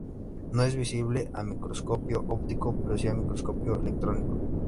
No es visible a microscopio óptico pero si a microscopio electrónico.